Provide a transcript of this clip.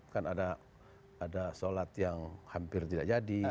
kan ada sholat yang hampir tidak jadi